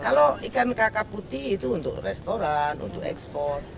kalau ikan kakak putih itu untuk restoran untuk ekspor